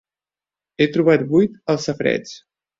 He trobat buit el safareig.